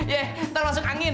yeh ntar masuk angin